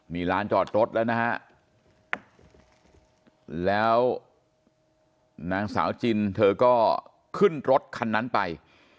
นี่ร้านจอดรถแล้วนะฮะแล้วนางสาวจินเธอก็ขึ้นรถคันนั้นไป